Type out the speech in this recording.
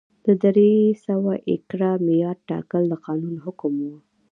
د درې سوه ایکره معیار ټاکل د قانون حکم و.